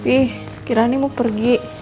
ih kiranya mau pergi